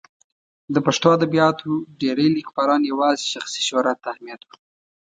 د پښتو ادبیاتو ډېری لیکوالان یوازې شخصي شهرت ته اهمیت ورکوي.